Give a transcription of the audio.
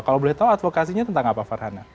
kalau boleh tahu advokasinya tentang apa farhana